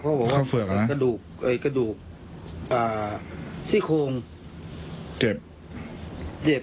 เขาบอกว่ากระดูกซี่โคงเจ็บเจ็บ